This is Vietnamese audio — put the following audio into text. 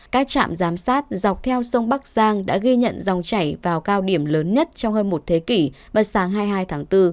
các trạm giám sát dọc theo sông bắc giang đã ghi nhận dòng chảy vào cao điểm lớn nhất trong hơn một thế kỷ và sáng hai mươi hai tháng bốn